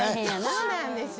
そうなんですよ。